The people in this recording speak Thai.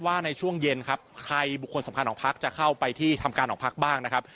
ในช่วงเย็นครับใครบุคคลสำคัญของพักจะเข้าไปที่ทำการของพักบ้างนะครับ